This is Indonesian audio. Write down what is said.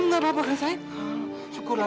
terima kasih lana